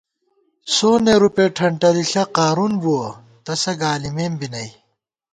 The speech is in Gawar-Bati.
سونے رُپے ٹھنٹَلِݪہ قارُون بُوَہ، تسہ گالِمېم بی نئی